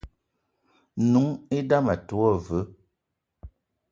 N'noung idame a te wo veu.